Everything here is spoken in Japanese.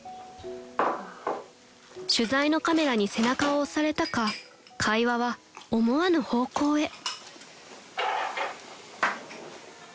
［取材のカメラに背中を押されたか会話は思わぬ方向へ］